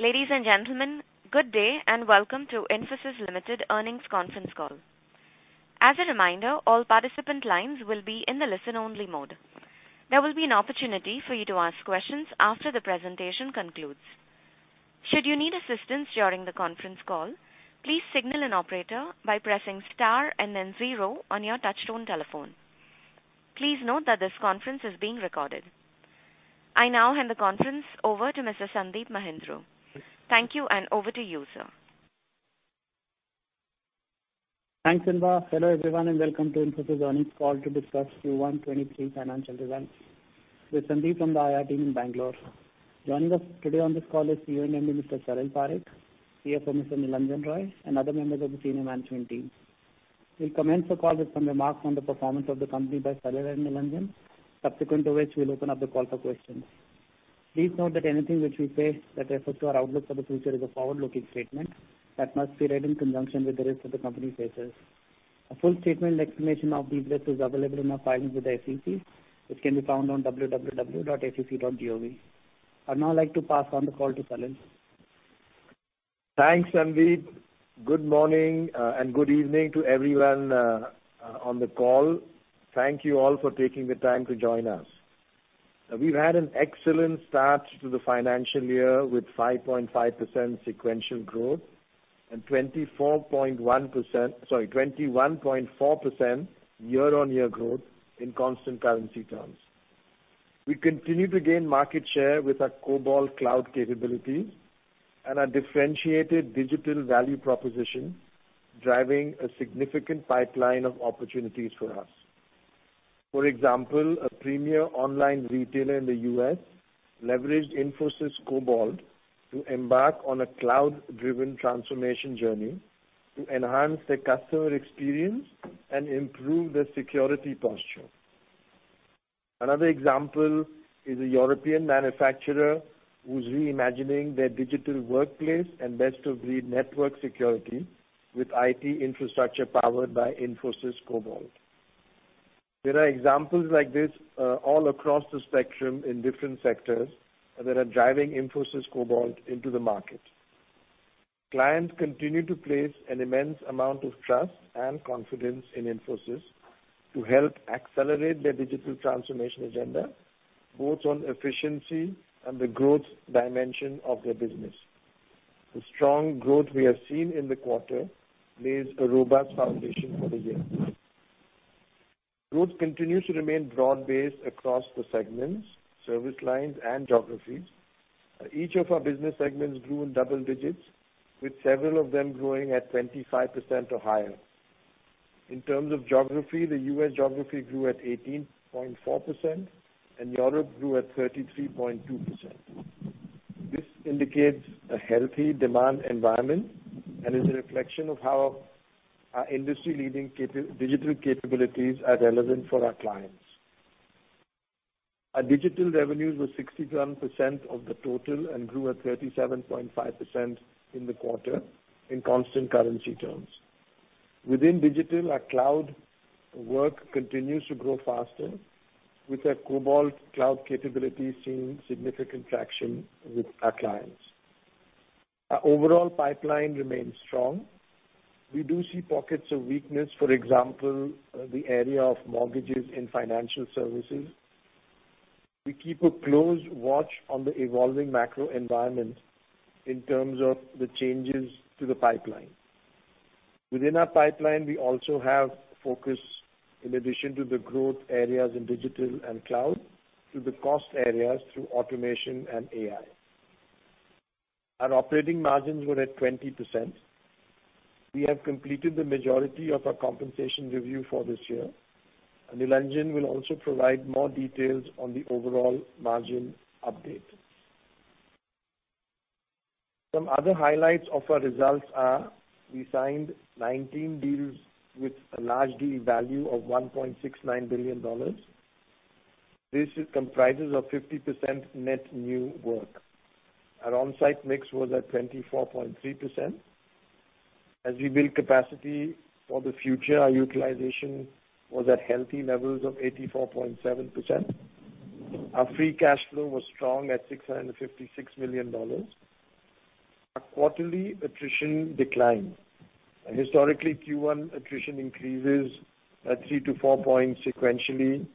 Ladies, and gentlemen, good day, and welcome to Infosys Limited Earnings Conference Call. As a reminder, all participant lines will be in the listen only mode. There will be an opportunity for you to ask questions after the presentation concludes. Should you need assistance during the conference call, please signal an operator by pressing star and then zero on your touchtone telephone. Please note that this conference is being recorded. I now hand the conference over to Mr. Sandeep Mahindroo. Thank you, and over to you, sir. Thanks, Inba. Hello, everyone, and welcome to Infosys Earnings Call to discuss Q1 2023 Financial Results with Sandeep from the IR team in Bangalore. Joining us today on this call is CEO and MD, Mr. Salil Parekh, CFO, Mr. Nilanjan Roy, and other members of the senior management team. We'll commence the call with some remarks on the performance of the company by Salil and Nilanjan. Subsequent to which we'll open up the call for questions. Please note that anything which we say that refer to our outlook for the future is a forward-looking statement that must be read in conjunction with the rest of the company's answers. A full statement and explanation of these risks is available in our filings with the SEC, which can be found on www.sec.gov. I'd now like to pass on the call to Salil. Thanks, Sandeep. Good morning, and good evening to everyone on the call. Thank you all for taking the time to join us. We've had an excellent start to the financial year with 5.5% sequential growth and 21.4% year-on-year growth in constant currency terms. We continue to gain market share with our Cobalt cloud capabilities and our differentiated digital value proposition, driving a significant pipeline of opportunities for us. For example, a premier online retailer in the U.S. leveraged Infosys Cobalt to embark on a cloud-driven transformation journey to enhance the customer experience and improve their security posture. Another example is a European manufacturer who's reimagining their digital workplace and best-of-breed network security with IT infrastructure powered by Infosys Cobalt. There are examples like this all across the spectrum in different sectors that are driving Infosys Cobalt into the market. Clients continue to place an immense amount of trust and confidence in Infosys to help accelerate their digital transformation agenda, both on efficiency and the growth dimension of their business. The strong growth we have seen in the quarter lays a robust foundation for the year. Growth continues to remain broad-based across the segments, service lines and geographies. Each of our business segments grew in double digits, with several of them growing at 25% or higher. In terms of geography, the U.S. geography grew at 18.4%, and Europe grew at 33.2%. This indicates a healthy demand environment and is a reflection of how our industry-leading digital capabilities are relevant for our clients. Our digital revenues were 61% of the total and grew at 37.5% in the quarter in constant currency terms. Within digital, our cloud work continues to grow faster, with our Cobalt cloud capability seeing significant traction with our clients. Our overall pipeline remains strong. We do see pockets of weakness, for example, the area of mortgages in financial services. We keep a close watch on the evolving macro environment in terms of the changes to the pipeline. Within our pipeline, we also have focus in addition to the growth areas in digital and cloud, to the cost areas through automation and AI. Our operating margins were at 20%. We have completed the majority of our compensation review for this year. Nilanjan will also provide more details on the overall margin update. Some other highlights of our results are we signed 19 deals with a large deal value of $1.69 billion. This comprises of 50% net new work. Our onsite mix was at 24.3%. As we build capacity for the future, our utilization was at healthy levels of 84.7%. Our free cash flow was strong at $656 million. Our quarterly attrition declined. Historically, Q1 attrition increases at 3-4 points sequentially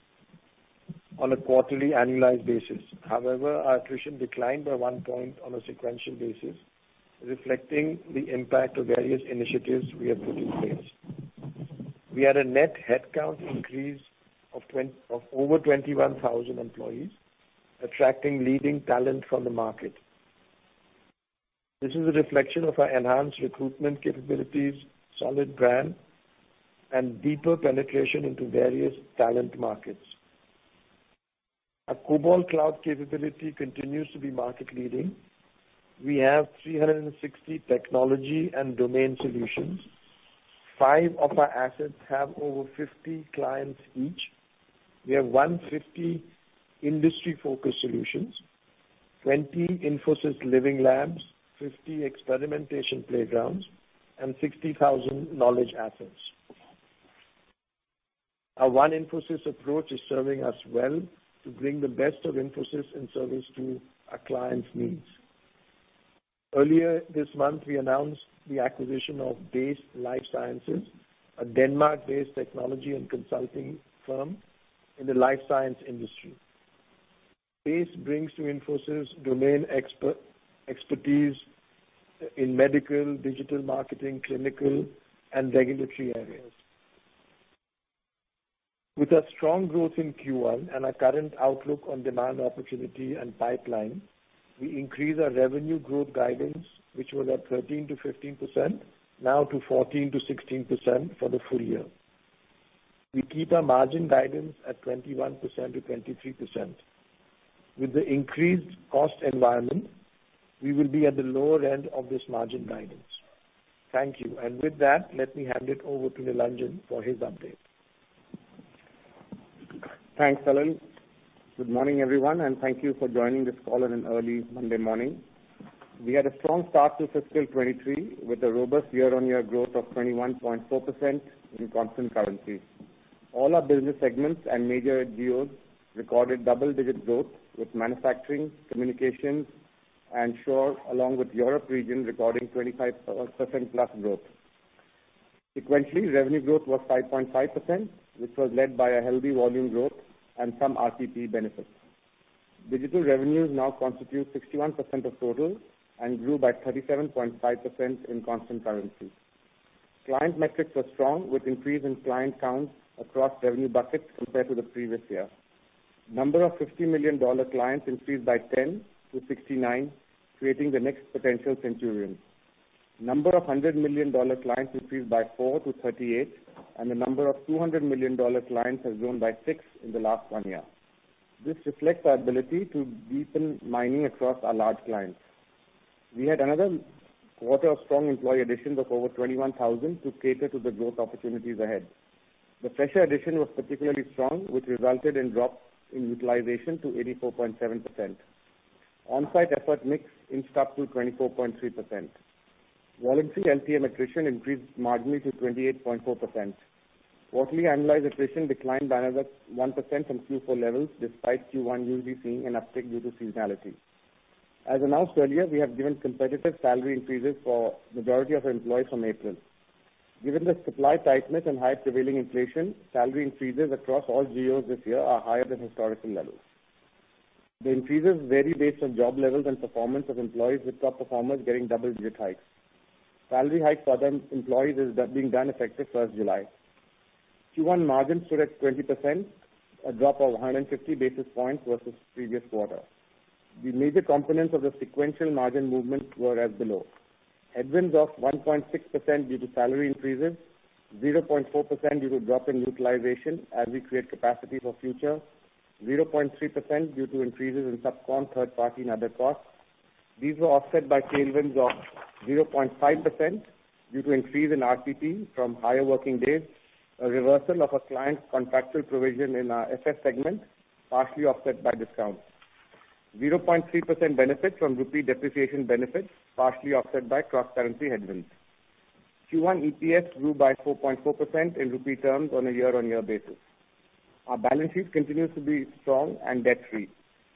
on a quarterly annualized basis. However, our attrition declined by 1 point on a sequential basis, reflecting the impact of various initiatives we have put in place. We had a net headcount increase of over 21,000 employees, attracting leading talent from the market. This is a reflection of our enhanced recruitment capabilities, solid brand, and deeper penetration into various talent markets. Our Cobalt cloud capability continues to be market leading. We have 360 technology and domain solutions. Five of our assets have over 50 clients each. We have 150 industry focused solutions, 20 Infosys Living Labs, 50 experimentation playgrounds, and 60,000 knowledge assets. Our One Infosys approach is serving us well to bring the best of Infosys and service to our clients' needs. Earlier this month, we announced the acquisition of BASE life science, a Denmark-based technology and consulting firm in the life science industry. BASE brings to Infosys domain expertise in medical, digital marketing, clinical and regulatory areas. With a strong growth in Q1 and our current outlook on demand opportunity and pipeline, we increase our revenue growth guidance, which was at 13%-15%, now to 14%-16% for the full year. We keep our margin guidance at 21%-23%. With the increased cost environment, we will be at the lower end of this margin guidance. Thank you. With that, let me hand it over to Nilanjan for his update. Thanks, Salil. Good morning, everyone, and thank you for joining this call on an early Monday morning. We had a strong start to fiscal 2023 with a robust year-on-year growth of 21.4% in constant currency. All our business segments and major geos recorded double-digit growth, with manufacturing, communications, onshore along with Europe region recording 25%+ growth. Sequentially, revenue growth was 5.5%, which was led by a healthy volume growth and some RTP benefits. Digital revenues now constitute 61% of total and grew by 37.5% in constant currency. Client metrics were strong, with increase in client counts across revenue buckets compared to the previous year. Number of $50 million clients increased by 10 to 69, creating the next potential centurions. Number of $100 million clients increased by four to 38, and the number of $200 million clients has grown by six in the last one year. This reflects our ability to deepen mining across our large clients. We had another quarter of strong employee additions of over 21,000 to cater to the growth opportunities ahead. The fresher addition was particularly strong, which resulted in drops in utilization to 84.7%. Onsite effort mix inched up to 24.3%. Voluntary LTM attrition increased marginally to 28.4%. Quarterly annualized attrition declined by another 1% from Q4 levels, despite Q1 usually seeing an uptick due to seasonality. As announced earlier, we have given competitive salary increases for majority of our employees from April. Given the supply tightness and high prevailing inflation, salary increases across all geos this year are higher than historical levels. The increases vary based on job levels and performance of employees, with top performers getting double-digit hikes. Salary hikes for the employees being done effective 1st of July. Q1 margins stood at 20%, a drop of 150 basis points versus previous quarter. The major components of the sequential margin movement were as below. Headwinds of 1.6% due to salary increases, 0.4% due to drop in utilization as we create capacity for future, 0.3% due to increases in subcon, third party and other costs. These were offset by tailwinds of 0.5% due to increase in RTP from higher working days, a reversal of a client's contractual provision in our FS segment, partially offset by discounts. 0.3% benefit from rupee depreciation benefits, partially offset by cross-currency headwinds. Q1 EPS grew by 4.4% in rupee terms on a year-on-year basis. Our balance sheet continues to be strong and debt-free.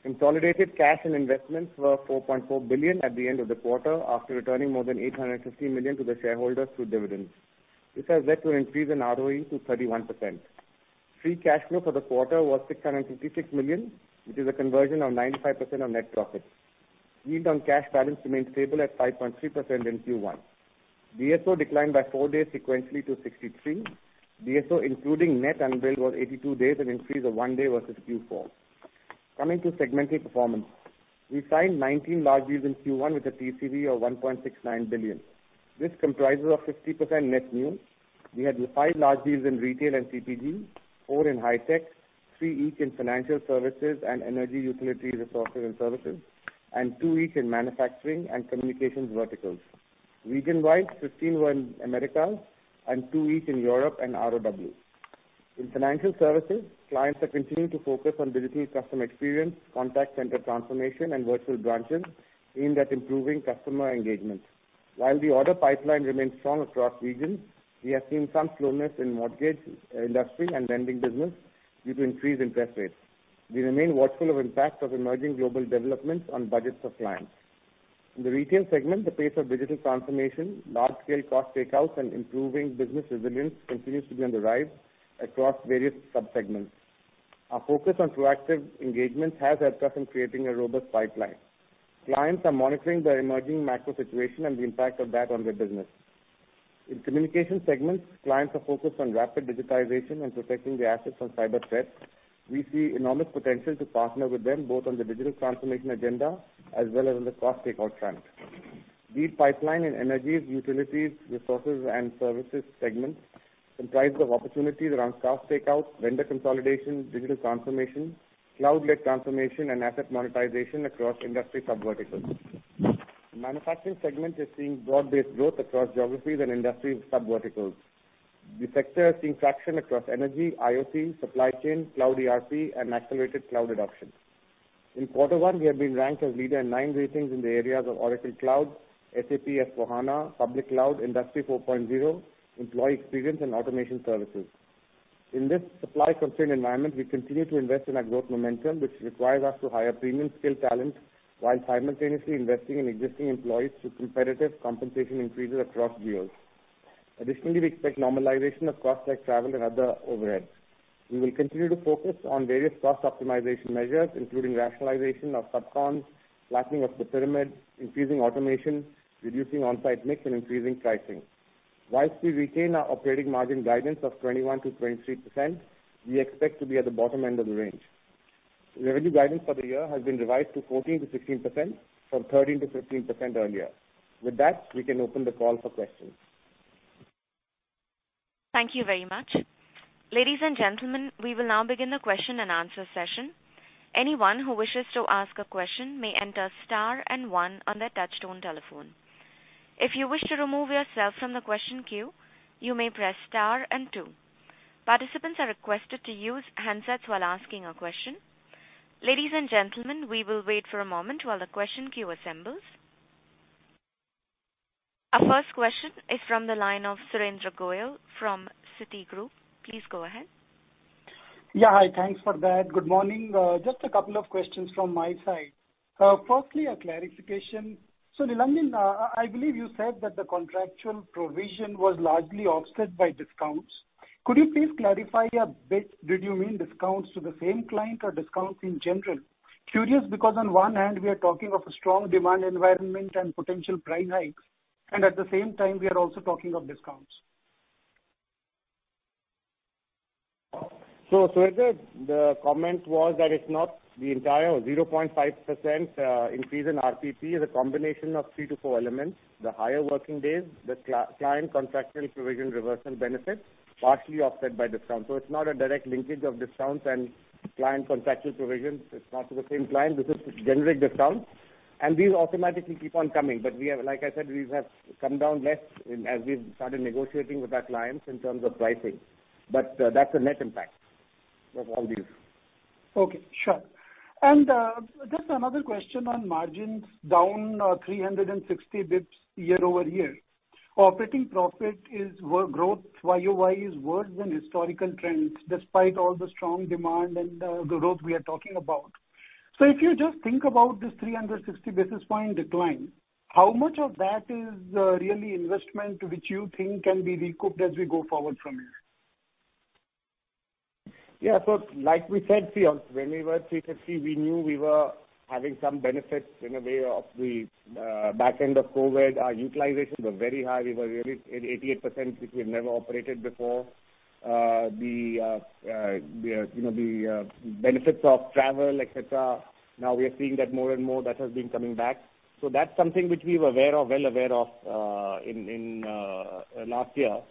Consolidated cash and investments were $4.4 billion at the end of the quarter, after returning more than $850 million to the shareholders through dividends. This has led to an increase in ROE to 31%. Free cash flow for the quarter was $656 million, which is a conversion of 95% of net profits. Yield on cash balance remains stable at 5.3% in Q1. DSO declined by four days sequentially to 63. DSO including net unbilled was 82 days, an increase of one day versus Q4. Coming to segmental performance. We signed 19 large deals in Q1 with a TCV of $1.69 billion. This comprises of 60% net new. We had five large deals in retail and CPG, four in high-tech, three each in financial services and energy, utilities, resources and services, and two each in manufacturing and communications verticals. Region-wide, 15 were in Americas and two each in Europe and ROW. In financial services, clients are continuing to focus on digital customer experience, contact center transformation and virtual branches aimed at improving customer engagement. While the order pipeline remains strong across regions, we have seen some slowness in mortgage, industry and lending business due to increased interest rates. We remain watchful of impact of emerging global developments on budgets of clients. In the retail segment, the pace of digital transformation, large-scale cost takeouts and improving business resilience continues to be on the rise across various sub-segments. Our focus on proactive engagements has helped us in creating a robust pipeline. Clients are monitoring the emerging macro situation and the impact of that on their business. In communication segments, clients are focused on rapid digitization and protecting the assets from cyber threats. We see enormous potential to partner with them both on the digital transformation agenda as well as on the cost takeout front. Lead pipeline in energies, utilities, resources and services segments comprise of opportunities around cost takeouts, vendor consolidation, digital transformation, cloud-led transformation and asset monetization across industry subverticals. Manufacturing segment is seeing broad-based growth across geographies and industry subverticals. The sector is seeing traction across energy, IoT, supply chain, Cloud ERP and accelerated cloud adoption. In quarter one, we have been ranked as leader in nine regions in the areas of Oracle Cloud, SAP S/4HANA, public cloud, Industry 4.0, employee experience and automation services. In this supply constrained environment, we continue to invest in our growth momentum, which requires us to hire premium skilled talent while simultaneously investing in existing employees through competitive compensation increases across geos. Additionally, we expect normalization of costs like travel and other overheads. We will continue to focus on various cost optimization measures, including rationalization of subcons, flattening of the pyramid, increasing automation, reducing on-site mix and increasing pricing. While we retain our operating margin guidance of 21%-23%, we expect to be at the bottom end of the range. Revenue guidance for the year has been revised to 14%-16% from 13%-15% earlier. With that, we can open the call for questions. Thank you very much. Ladies, and gentlemen, we will now begin the question-and-answer session. Anyone who wishes to ask a question may enter star and one on their touchtone telephone. If you wish to remove yourself from the question queue, you may press star and two. Participants are requested to use handsets while asking a question. Ladies, and gentlemen, we will wait for a moment while the question queue assembles. Our first question is from the line of Surendra Goyal from Citigroup. Please go ahead. Yeah. Hi. Thanks for that. Good morning. Just a couple of questions from my side. Firstly, a clarification. Nilanjan, I believe you said that the contractual provision was largely offset by discounts. Could you please clarify a bit? Did you mean discounts to the same client or discounts in general? Curious because on one hand we are talking of a strong demand environment and potential price hikes, and at the same time we are also talking of discounts. Surendra, the comment was that it's not the entire 0.5% increase in RTP. The combination of three to four elements, the higher working days, the client contractual provision reversal benefits partially offset by discounts. It's not a direct linkage of discounts and client contractual provisions. It's not to the same client. This is generic discounts and these automatically keep on coming. But we have like I said, we have come down less in as we've started negotiating with our clients in terms of pricing. But that's a net impact of all these. Okay, sure. Just another question on margins down 360 basis points year-over-year. Operating profit growth YoY is worse than historical trends despite all the strong demand and the growth we are talking about. If you just think about this 360 basis points decline, how much of that is really investment which you think can be recouped as we go forward from here? Yeah. Like we said, when we were at 350, we knew we were having some benefits in a way of the back end of COVID. Our utilization was very high. We were really at 88%, which we have never operated before. You know, the benefits of travel, et cetera, now we are seeing that more and more that has been coming back. That's something which we were aware of, well aware of, in last year.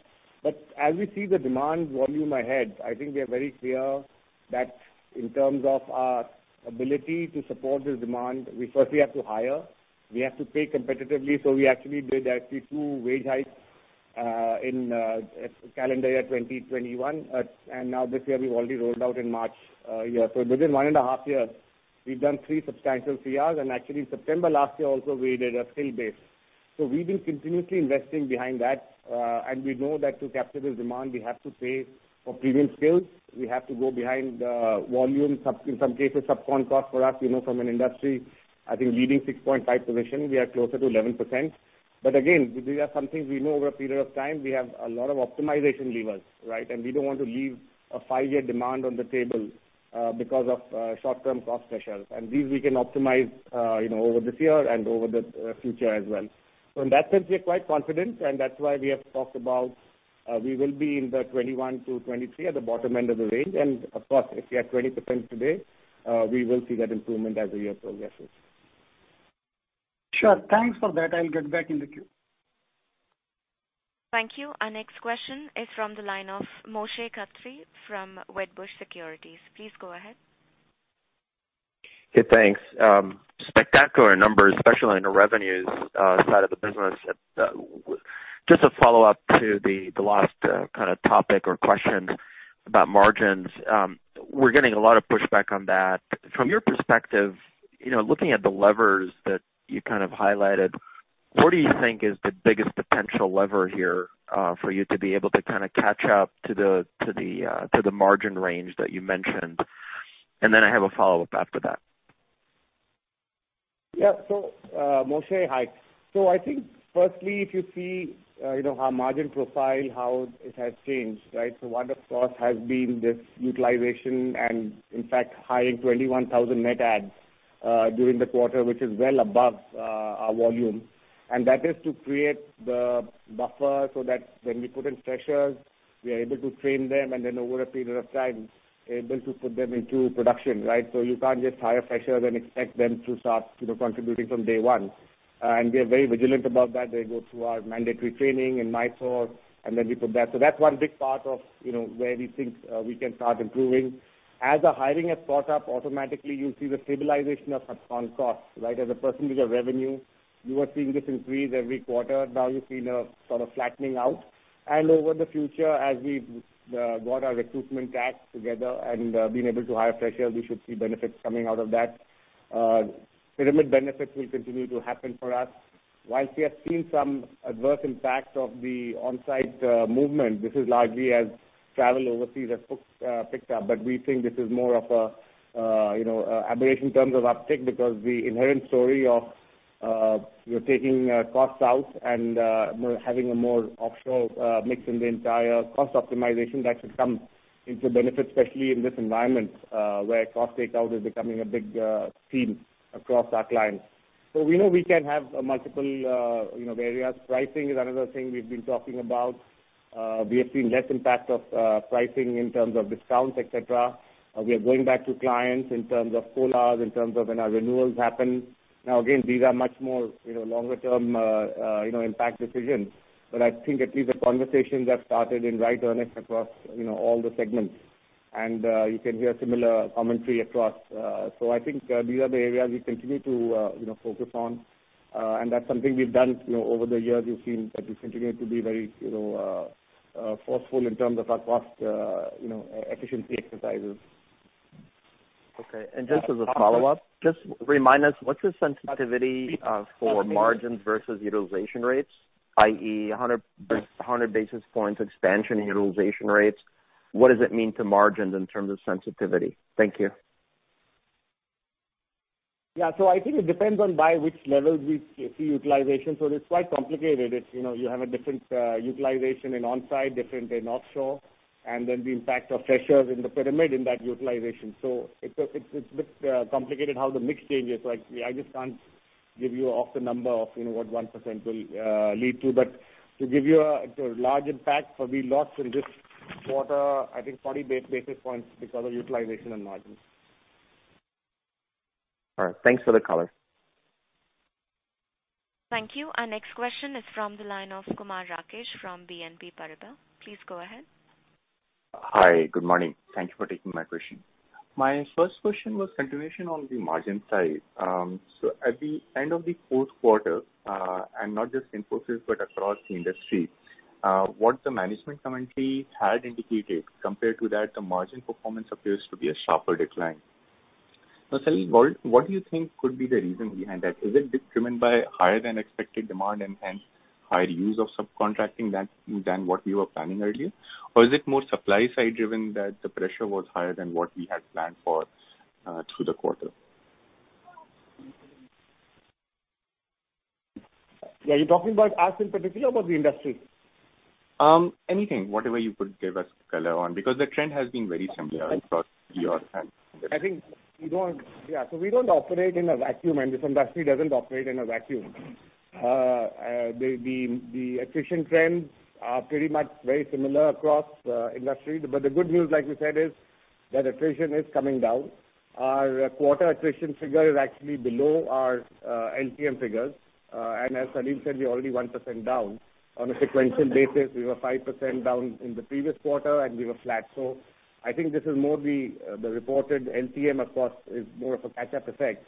As we see the demand volume ahead, I think we are very clear that in terms of our ability to support the demand, we firstly have to hire, we have to pay competitively. We actually did two wage hikes in calendar year 2021. Now this year we've already rolled out in March year. Within one and a half years, we've done three substantial CRs. Actually September last year also we did a skill base. We've been continuously investing behind that. We know that to capture this demand, we have to pay for premium skills. We have to go behind volume, in some cases, subcon cost. For us, you know, from an industry-leading 6.5% position, we are closer to 11%. But again, these are some things we know over a period of time. We have a lot of optimization levers, right? We don't want to leave a five-year demand on the table because of short-term cost pressures. These we can optimize, you know, over this year and over the future as well. In that sense, we are quite confident, and that's why we have talked about we will be in the 21%-23% at the bottom end of the range. Of course, if we are at 20% today, we will see that improvement as the year progresses. Sure. Thanks for that. I'll get back in the queue. Thank you. Our next question is from the line of Moshe Katri from Wedbush Securities. Please go ahead. Okay, thanks. Spectacular numbers, especially on the revenues side of the business. Just a follow-up to the last kind of topic or question about margins. We're getting a lot of pushback on that. From your perspective, you know, looking at the levers that you kind of highlighted, what do you think is the biggest potential lever here for you to be able to kind of catch up to the margin range that you mentioned? And then I have a follow-up after that. Yeah, Moshe, hi. I think firstly, if you see, you know, our margin profile, how it has changed, right? One of the costs has been this utilization and in fact hiring 21,000 net adds during the quarter, which is well above our volume. And that is to create the buffer so that when we put in freshers, we are able to train them and then over a period of time able to put them into production, right? You can't just hire freshers and expect them to start, you know, contributing from day one. And we are very vigilant about that. They go through our mandatory training and Lex, and then we put that. That's one big part of, you know, where we think we can start improving. As the hiring has caught up, automatically you'll see the stabilization of subcon costs, right? As a percentage of revenue, you are seeing this increase every quarter. Now you're seeing a sort of flattening out. Over the future, as we've got our recruitment acts together and been able to hire freshers, we should see benefits coming out of that. Pyramid benefits will continue to happen for us. While we have seen some adverse impact of the onsite movement, this is largely as travel overseas has picked up. We think this is more of a, you know, aberration in terms of uptick because the inherent story of we're taking costs out and having a more offshore mix in the entire cost optimization that should come into benefit, especially in this environment, where cost takeout is becoming a big theme across our clients. We know we can have multiple, you know, areas. Pricing is another thing we've been talking about. We have seen less impact of pricing in terms of discounts, et cetera. We are going back to clients in terms of COLAs, in terms of when our renewals happen. Now, again, these are much more, you know, longer-term, you know, impact decisions. I think at least the conversations have started in right earnest across, you know, all the segments. You can hear similar commentary across. I think these are the areas we continue to, you know, focus on. That's something we've done, you know, over the years. You've seen that we continue to be very, you know, forceful in terms of our cost, you know, efficiency exercises. Okay. Just as a follow-up, just remind us, what's your sensitivity for margins versus utilization rates? I.e., 100 basis points expansion in utilization rates, what does it mean to margins in terms of sensitivity? Thank you. Yeah. I think it depends on by which level we see utilization. It's quite complicated. It's, you know, you have a different utilization in onsite, different in offshore, and then the impact of pressures in the pyramid in that utilization. It's a bit complicated how the mix changes. I just can't give you off the number of, you know, what 1% will lead to. To give you a large impact, we lost in this quarter, I think 40 basis points because of utilization and margins. All right. Thanks for the color. Thank you. Our next question is from the line of Kumar Rakesh from BNP Paribas. Please go ahead. Hi. Good morning. Thank you for taking my question. My first question was continuation on the margin side. At the end of the fourth quarter, and not just Infosys, but across the industry, what the management commentary had indicated compared to that, the margin performance appears to be a sharper decline. Salil, what do you think could be the reason behind that? Is it driven by higher than expected demand and hence higher use of subcontracting than what you were planning earlier? Or is it more supply side driven that the pressure was higher than what we had planned for through the quarter? Yeah. Are you talking about us in particular or the industry? Anything, whatever you could give us color on, because the trend has been very similar across the years and. I think we don't operate in a vacuum. Yeah, we don't operate in a vacuum, and this industry doesn't operate in a vacuum. The attrition trends are pretty much very similar across industries. The good news, like we said, is that attrition is coming down. Our quarter attrition figure is actually below our LTM figures. As Salil said, we're already 1% down. On a sequential basis, we were 5% down in the previous quarter, and we were flat. I think this is more the reported LTM across is more of a catch-up effect.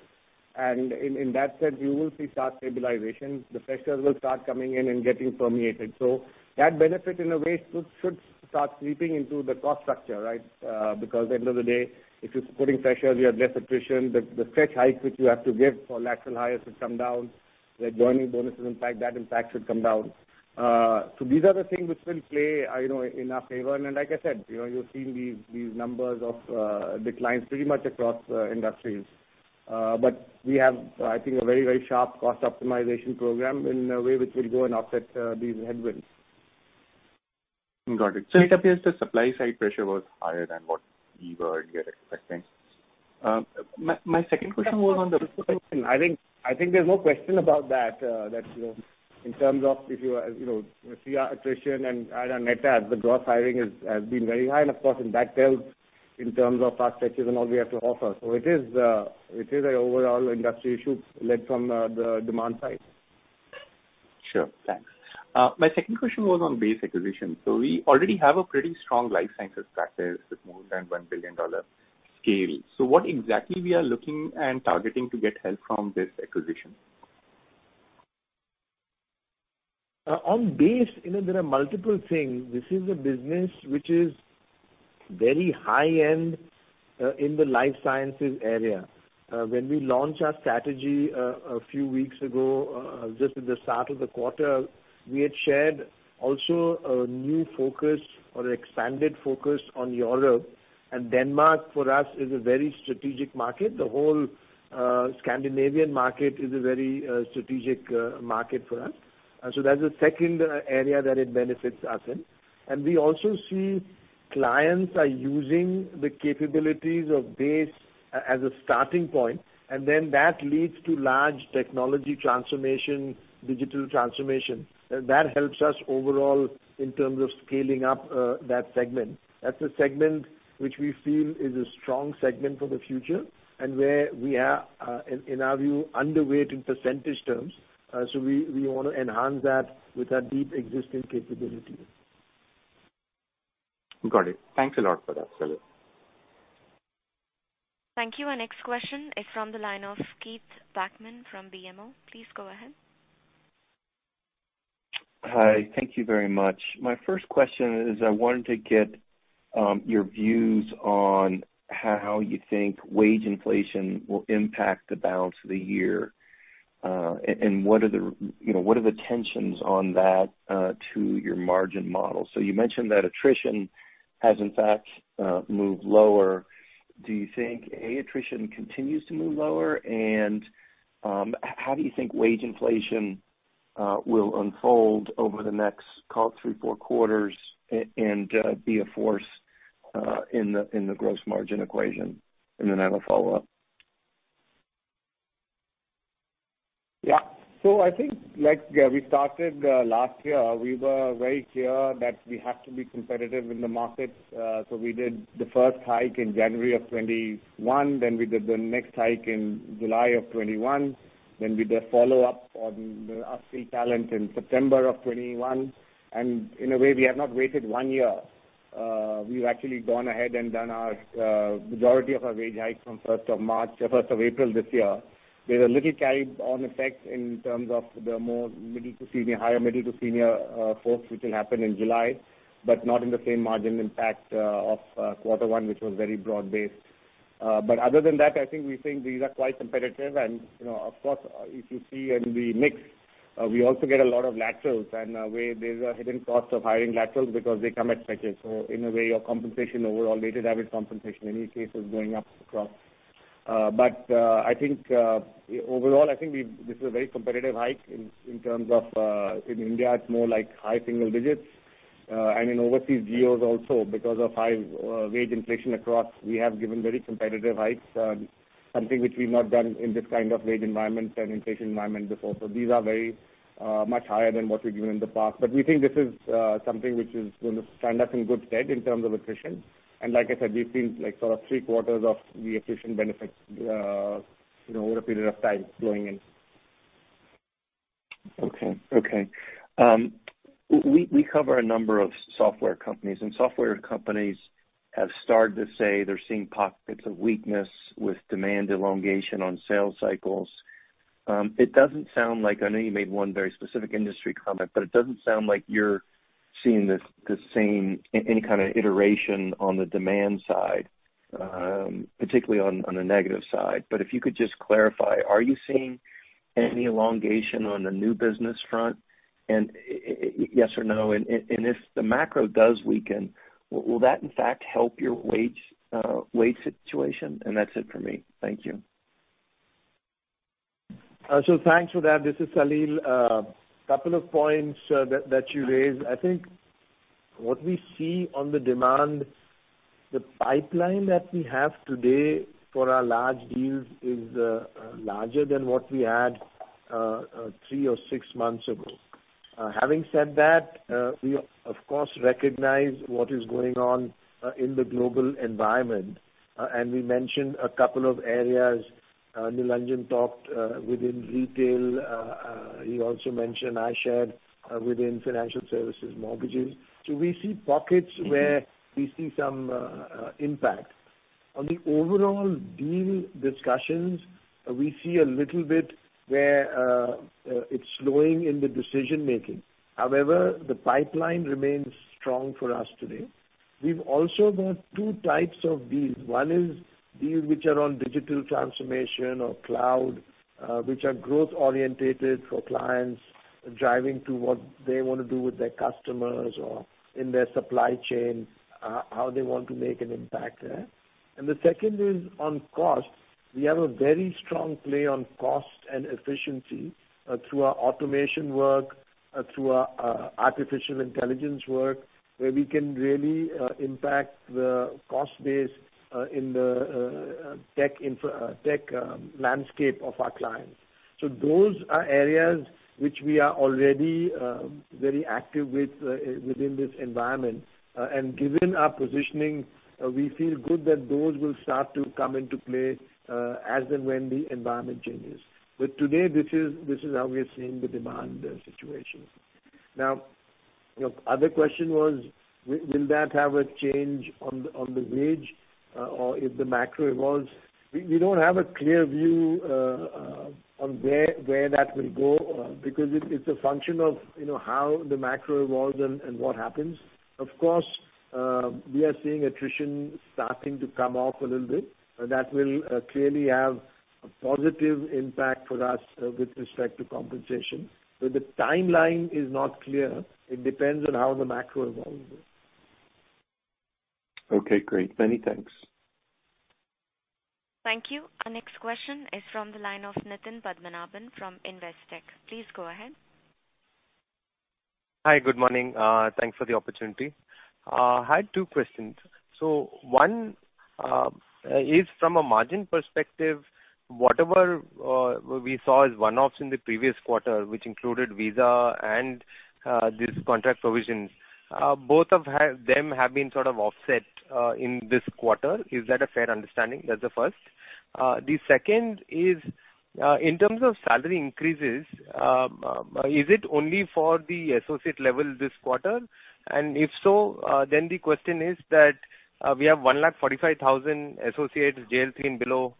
In that sense, you will see start stabilization. The pressures will start coming in and getting permeated. That benefit in a way should start seeping into the cost structure, right? Because end of the day, if you're putting pressures, you have less attrition. The stretch heights which you have to give for lateral hires should come down. The joining bonuses, in fact, that impact should come down. These are the things which will play, you know, in our favor. Like I said, you know, you're seeing these numbers of declines pretty much across industries. We have, I think, a very, very sharp cost optimization program in a way which will go and offset these headwinds. Got it. It appears the supply side pressure was higher than what we are expecting. My second question was on the- I think there's no question about that, you know, in terms of if you're, you know, see our attrition and add our net add, the gross hiring has been very high. Of course, in that tail, in terms of our stretches and all we have to offer. It is a overall industry issue led from the demand side. Sure. Thanks. My second question was on BASE acquisition. We already have a pretty strong life sciences practice with more than $1 billion scale. What exactly we are looking and targeting to get help from this acquisition? On BASE, you know, there are multiple things. This is a business which is very high end in the life sciences area. When we launched our strategy a few weeks ago, just at the start of the quarter, we had shared also a new focus or expanded focus on Europe. Denmark for us is a very strategic market. The whole Scandinavian market is a very strategic market for us. That's the second area that it benefits us in. We also see clients are using the capabilities of BASE as a starting point, and then that leads to large technology transformation, digital transformation. That helps us overall in terms of scaling up that segment. That's a segment which we feel is a strong segment for the future and where we are in our view underweight in percentage terms. We wanna enhance that with our deep existing capabilities. Got it. Thanks a lot for that, Salil. Thank you. Our next question is from the line of Keith Bachman from BMO Capital Markets. Please go ahead. Hi. Thank you very much. My first question is I wanted to get your views on how you think wage inflation will impact the balance of the year. What are the, you know, what are the tensions on that to your margin model? You mentioned that attrition has in fact moved lower. Do you think attrition continues to move lower? How do you think wage inflation will unfold over the next call it three, four quarters and be a force in the gross margin equation? I have a follow-up. Yeah. I think like we started last year, we were very clear that we have to be competitive in the markets. We did the first hike in January of 2021, then we did the next hike in July of 2021, then we did a follow-up on the upskill talent in September of 2021. In a way, we have not waited one year. We've actually gone ahead and done our majority of our wage hike from 1st of March or 1st of April this year. There's a little carry on effect in terms of the more middle to senior, higher middle to senior folks, which will happen in July, but not in the same margin impact of quarter one, which was very broad-based. Other than that, I think we think these are quite competitive. You know, of course, if you see in the mix, we also get a lot of laterals and where there's a hidden cost of hiring laterals because they come at stretches. In a way, your compensation overall, weighted average compensation in any case is going up across. I think overall this is a very competitive hike in terms of in India, it's more like high single digits. In overseas geos also, because of high wage inflation across, we have given very competitive hikes, something which we've not done in this kind of wage environment and inflation environment before. These are very much higher than what we've given in the past. We think this is something which is going to stand us in good stead in terms of attrition. Like I said, we've seen like sort of three quarters of the attrition benefits, you know, over a period of time flowing in. Okay. We cover a number of software companies, and software companies have started to say they're seeing pockets of weakness with demand elongation on sales cycles. It doesn't sound like I know you made one very specific industry comment, but it doesn't sound like you're seeing the same, any kind of deterioration on the demand side, particularly on the negative side. If you could just clarify, are you seeing any elongation on the new business front? Yes or no. If the macro does weaken, will that in fact help your wage situation? That's it for me. Thank you. Thanks for that. This is Salil. Couple of points that you raised. I think what we see on the demand, the pipeline that we have today for our large deals is larger than what we had three or six months ago. Having said that, we of course recognize what is going on in the global environment. We mentioned a couple of areas. Nilanjan talked within retail. He also mentioned, I shared, within financial services mortgages. We see pockets where we see some impact. On the overall deal discussions, we see a little bit where it's slowing in the decision-making. However, the pipeline remains strong for us today. We've also got two types of deals. One is deals which are on digital transformation or cloud, which are growth-oriented for clients driving to what they wanna do with their customers or in their supply chain, how they want to make an impact there. The second is on cost. We have a very strong play on cost and efficiency, through our automation work, through our artificial intelligence work, where we can really impact the cost base, in the tech landscape of our clients. Those are areas which we are already very active with within this environment. Given our positioning, we feel good that those will start to come into play, as and when the environment changes. Today, this is how we are seeing the demand situation. Now, your other question was will that have a change on the wage or if the macro evolves? We don't have a clear view on where that will go because it's a function of, you know, how the macro evolves and what happens. Of course, we are seeing attrition starting to come off a little bit. That will clearly have a positive impact for us with respect to compensation. But the timeline is not clear. It depends on how the macro evolves. Okay, great. Many thanks. Thank you. Our next question is from the line of Nitin Padmanabhan from Investec. Please go ahead. Hi, good morning. Thanks for the opportunity. I had two questions. One is from a margin perspective, whatever we saw as one-offs in the previous quarter, which included Visa and these contract provisions, both of them have been sort of offset in this quarter. Is that a fair understanding? That's the first. The second is, in terms of salary increases, is it only for the associate level this quarter? If so, then the question is that we have 145,000 associates JL three and below,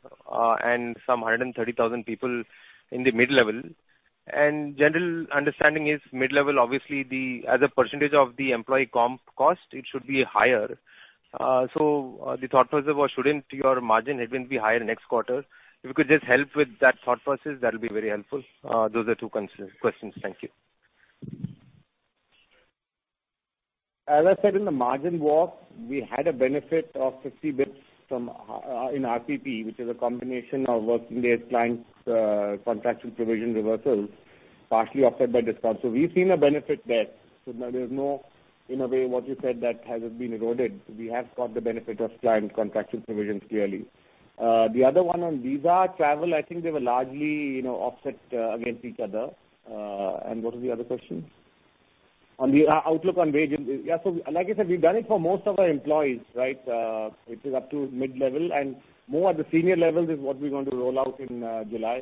and 130,000 people in the mid-level. General understanding is mid-level, obviously, the as a percentage of the employee comp cost, it should be higher. The thought process was shouldn't your margin even be higher next quarter? If you could just help with that thought process, that'll be very helpful. Those are two concerns, questions. Thank you. As I said in the margin walk, we had a benefit of 50 basis points from in RTP, which is a combination of working days clients, contractual provision reversals, partially offset by discounts. We've seen a benefit there. Now there's no, in a way, what you said that has been eroded. We have got the benefit of client contractual provisions clearly. The other one on visa travel, I think they were largely, you know, offset against each other. What was the other question? On the outlook on wages. Yeah, like I said, we've done it for most of our employees, right? Which is up to mid-level. More at the senior levels is what we're going to roll out in July.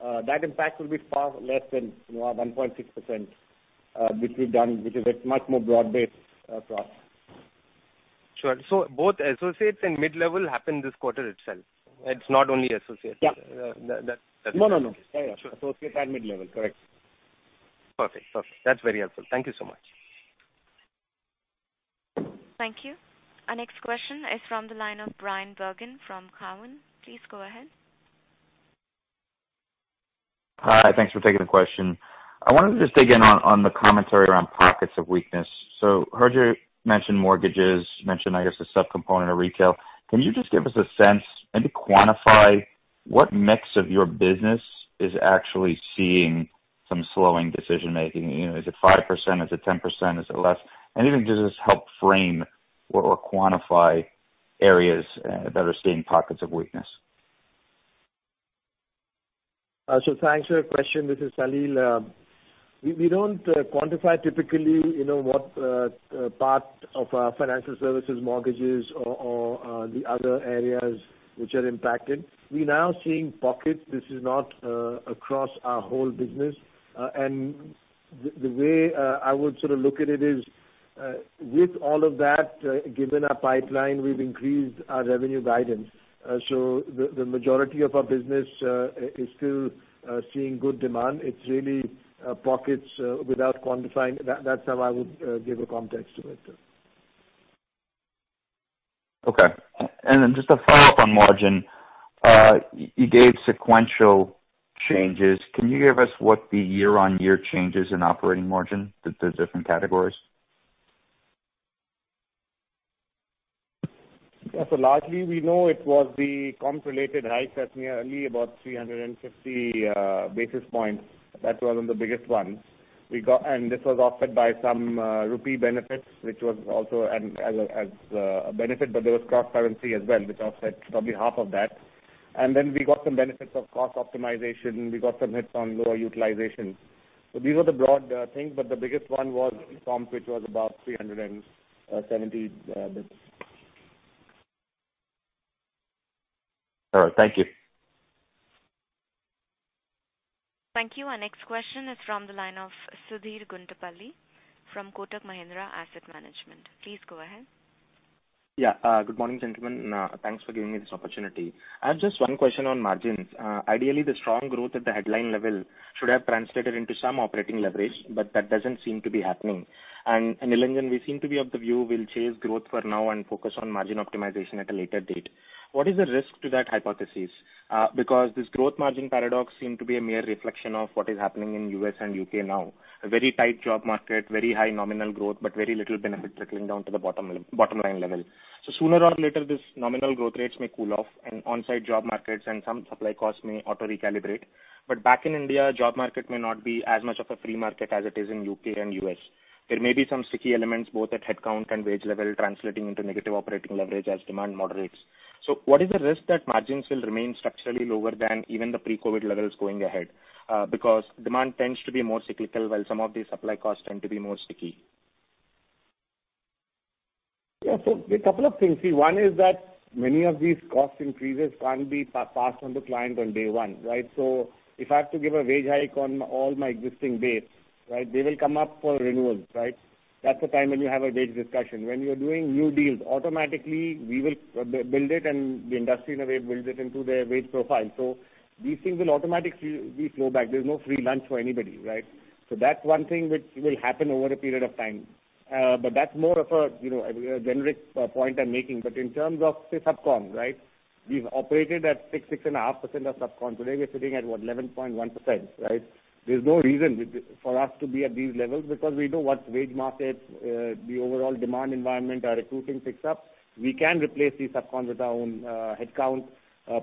That impact will be far less than, you know, our 1.6%, which we've done, which is a much more broad-based across. Sure. Both associates and mid-level happened this quarter itself. It's not only associates. Yeah. That, that's- No, no. Sure. Associate and mid-level, correct. Perfect. That's very helpful. Thank you so much. Thank you. Our next question is from the line of Bryan Bergin from TD Cowen. Please go ahead. Hi, thanks for taking the question. I wanted to just dig in on the commentary around pockets of weakness. Heard you mention mortgages, I guess, a subcomponent of retail. Can you just give us a sense, maybe quantify what mix of your business is actually seeing some slowing decision-making? You know, is it 5%, is it 10%, is it less? Even just help frame or quantify areas that are seeing pockets of weakness. Thanks for your question. This is Salil. We don't quantify typically, you know, what part of our financial services, mortgages or the other areas which are impacted. We're now seeing pockets. This is not across our whole business. The way I would sort of look at it is, with all of that, given our pipeline, we've increased our revenue guidance. The majority of our business is still seeing good demand. It's really pockets without quantifying. That's how I would give a context to it. Okay. Just a follow-up on margin. You gave sequential changes. Can you give us what the year-on-year change is in operating margin to different categories? Yeah. Largely we know it was the comp-related hike that's nearly about 350 basis points. That was one of the biggest ones. This was offset by some rupee benefits, which was also a benefit. There was cross-currency as well, which offset probably half of that. Then we got some benefits of cost optimization. We got some hits on lower utilization. These were the broad things. The biggest one was comps, which was about 370 basis points. All right. Thank you. Thank you. Our next question is from the line of Sudheer Guntupalli from Kotak Mahindra Asset Management. Please go ahead. Good morning, gentlemen. Thanks for giving me this opportunity. I have just one question on margins. Ideally, the strong growth at the headline level should have translated into some operating leverage, but that doesn't seem to be happening. Nilanjan, we seem to be of the view we'll chase growth for now and focus on margin optimization at a later date. What is the risk to that hypothesis? Because this growth-margin paradox seemed to be a mere reflection of what is happening in U.S. and U.K. now, a very tight job market, very high nominal growth, but very little benefit trickling down to the bottom line level. Sooner or later, these nominal growth rates may cool off and onsite job markets and some supply costs may auto recalibrate. Back in India, job market may not be as much of a free market as it is in U.K. and U.S. There may be some sticky elements, both at headcount and wage level, translating into negative operating leverage as demand moderates. What is the risk that margins will remain structurally lower than even the pre-COVID levels going ahead? Because demand tends to be more cyclical, while some of the supply costs tend to be more sticky. Yeah. A couple of things. One is that many of these cost increases can't be passed on to client on day one, right? If I have to give a wage hike on all my existing base, right, they will come up for renewals, right? That's the time when you have a wage discussion. When you're doing new deals, automatically we will build it and the industry in a way builds it into their wage profile. These things will automatically be slowed back. There's no free lunch for anybody, right? That's one thing which will happen over a period of time. That's more of a, you know, a generic point I'm making. In terms of, say, sub-con, right? We've operated at 6.5% of sub-con. Today, we're sitting at, what, 11.1%, right? There's no reason for us to be at these levels because we know once wage markets, the overall demand environment, our recruiting picks up, we can replace these sub-cons with our own headcount,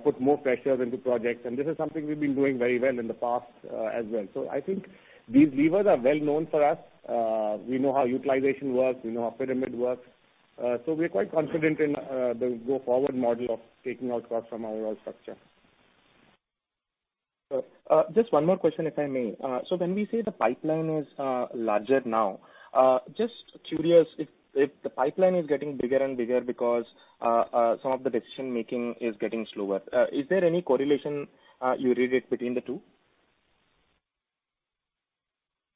put more pressures into projects. This is something we've been doing very well in the past, as well. I think these levers are well known for us. We know how utilization works. We know how pyramid works. We're quite confident in the go-forward model of taking our costs from our overall structure. Just one more question, if I may. When we say the pipeline is larger now, just curious if the pipeline is getting bigger and bigger because some of the decision-making is getting slower, is there any correlation you see between the two?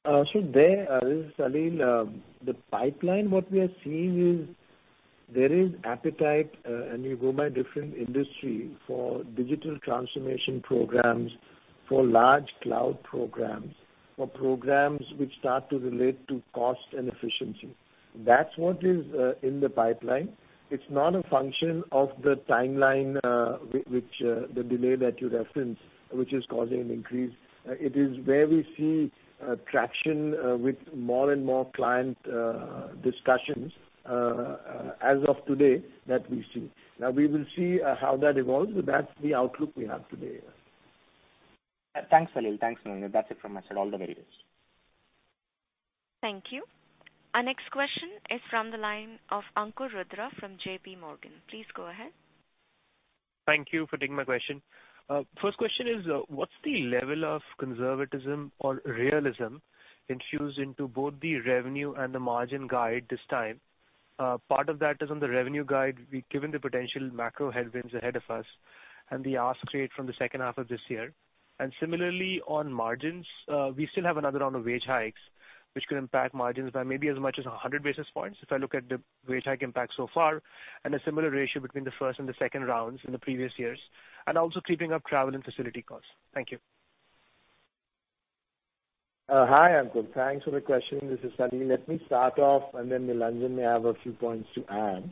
There is, Salil, the pipeline what we are seeing is there is appetite, and you go by different industry for digital transformation programs, for large cloud programs, for programs which start to relate to cost and efficiency. That's what is in the pipeline. It's not a function of the timeline, which the delay that you referenced which is causing an increase. It is where we see traction with more and more client discussions as of today that we see. Now, we will see how that evolves, but that's the outlook we have today. Thanks, Salil. Thanks, Nilanjan. That's it from my side. All the very best. Thank you. Our next question is from the line of Ankur Rudra from JPMorgan. Please go ahead. Thank you for taking my question. First question is, what's the level of conservatism or realism infused into both the revenue and the margin guide this time? Part of that is on the revenue guide, we've given the potential macro headwinds ahead of us and the ask rate from the second half of this year. Similarly, on margins, we still have another round of wage hikes which could impact margins by maybe as much as 100 basis points if I look at the wage hike impact so far, and a similar ratio between the first and the second rounds in the previous years, and also creeping up travel and facility costs. Thank you. Hi, Ankur. Thanks for the question. This is Salil. Let me start off, and then Nilanjan may have a few points to add.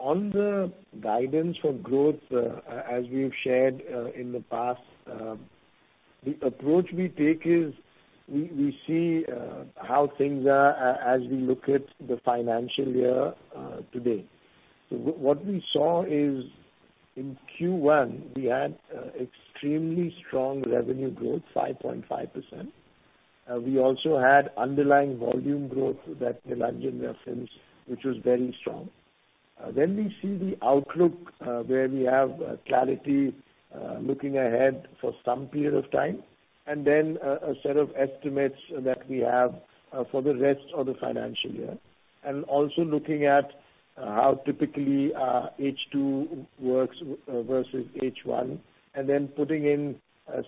On the guidance for growth, as we've shared in the past, the approach we take is we see how things are as we look at the financial year today. What we saw is in Q1, we had extremely strong revenue growth, 5.5%. We also had underlying volume growth that Nilanjan referenced, which was very strong. Then we see the outlook, where we have clarity looking ahead for some period of time, and then a set of estimates that we have for the rest of the financial year. Looking at how typically H2 works versus H1, and then putting in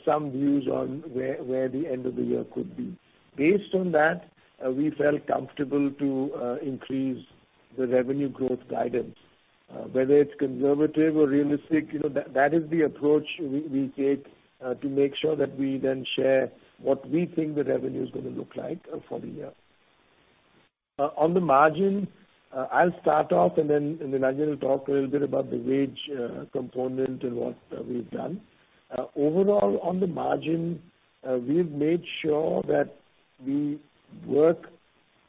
some views on where the end of the year could be. Based on that, we felt comfortable to increase the revenue growth guidance. Whether it's conservative or realistic, you know, that is the approach we take to make sure that we then share what we think the revenue is gonna look like for the year. On the margin, I'll start off, and then Nilanjan will talk a little bit about the wage component and what we've done. Overall, on the margin, we've made sure that we work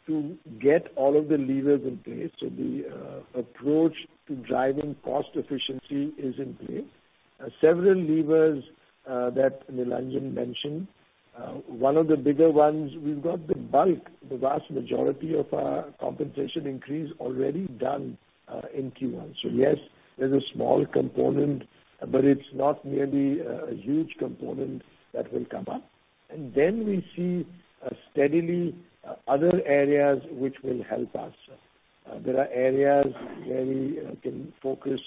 to get all of the levers in place. The approach to driving cost efficiency is in place. Several levers that Nilanjan mentioned, one of the bigger ones, we've got the bulk, the vast majority of our compensation increase already done in Q1. Yes, there's a small component, but it's not merely a huge component that will come up. We see steadily other areas which will help us. There are areas where we can focus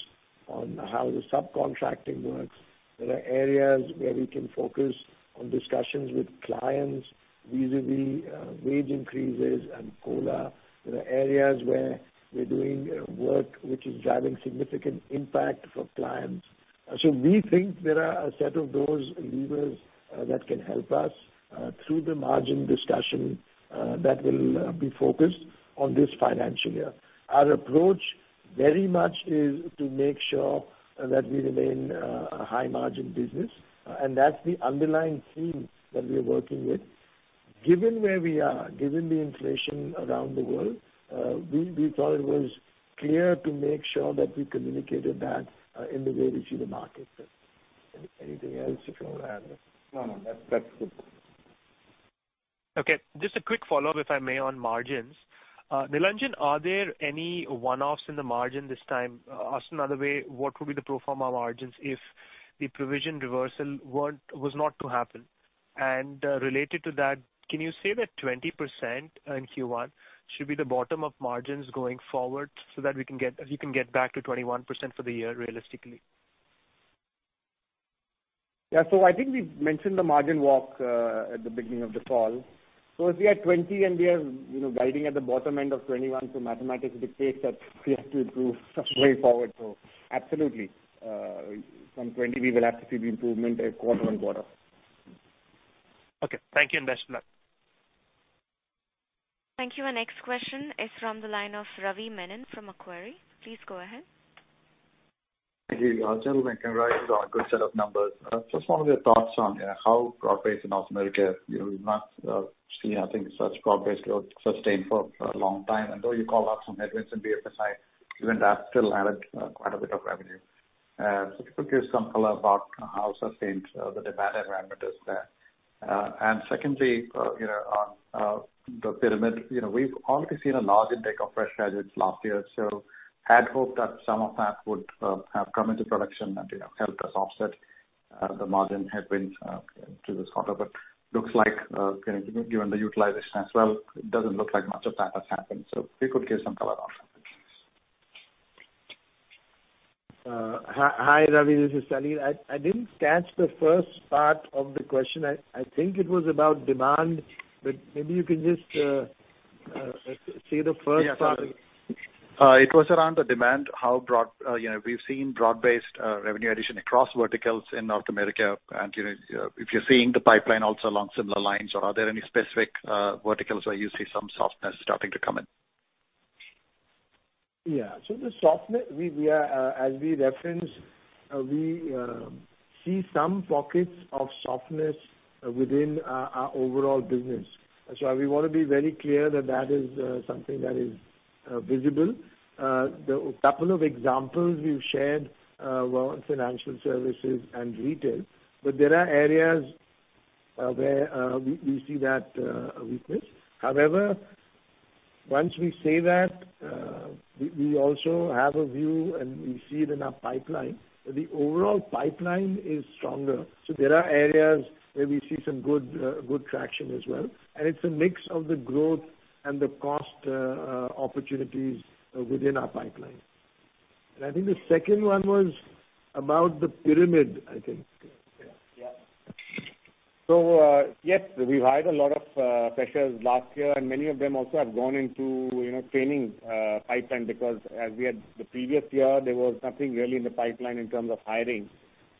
on how the subcontracting works. There are areas where we can focus on discussions with clients vis-à-vis wage increases and COLA. There are areas where we're doing work which is driving significant impact for clients. We think there are a set of those levers that can help us through the margin discussion that will be focused on this financial year. Our approach very much is to make sure that we remain a high margin business, and that's the underlying theme that we are working with. Given where we are, given the inflation around the world, we thought it was clear to make sure that we communicated that, in the way we see the market. Anything else you wanna add? No, no, that's it. Okay. Just a quick follow-up, if I may, on margins. Nilanjan, are there any one-offs in the margin this time? Asked another way, what would be the pro forma margins if the provision reversal was not to happen? Related to that, can you say that 20% in Q1 should be the bottom of margins going forward so that you can get back to 21% for the year realistically? Yeah. I think we've mentioned the margin walk at the beginning of the call. If we are at 20% and we are, you know, guiding at the bottom end of 21%, mathematics dictates that we have to improve some way forward. Absolutely. From 20%, we will have to see the improvement quarter-on-quarter. Okay. Thank you, and best of luck. Thank you. Our next question is from the line of Ravi Menon from Macquarie. Please go ahead. Thank you. Gentlemen, congrats on a good set of numbers. First, what are your thoughts on how growth rates in North America, you know, we've not seen, I think such growth rates grown, sustained for a long time. Though you called out some headwinds in BFS side, even that still added quite a bit of revenue. If you could give some color about how sustained the demand environment is there. Secondly, you know, on the pyramid, you know, we've already seen a large intake of fresh graduates last year, so had hoped that some of that would have come into production and, you know, helped us offset the margin headwinds to this quarter. Looks like, you know, given the utilization as well, it doesn't look like much of that has happened. If you could give some color on that. Hi, Ravi. This is Salil. I didn't catch the first part of the question. I think it was about demand, but maybe you can just say the first part. Yeah, sure. It was around the demand. You know, we've seen broad-based revenue addition across verticals in North America, and you know, if you're seeing the pipeline also along similar lines or are there any specific verticals where you see some softness starting to come in? The softness. As we referenced, we see some pockets of softness within our overall business. We want to be very clear that is something that is visible. The couple of examples we've shared were on financial services and retail. There are areas where we see that weakness. However, once we say that, we also have a view and we see it in our pipeline. The overall pipeline is stronger. There are areas where we see some good traction as well. It's a mix of the growth and the cost opportunities within our pipeline. I think the second one was about the pyramid, I think. Yeah. Yes, we've hired a lot of freshers last year, and many of them also have gone into, you know, training pipeline because as we had the previous year, there was nothing really in the pipeline in terms of hiring.